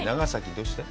どうして？